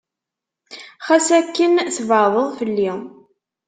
Xas akken tbeɛdeḍ fell-i.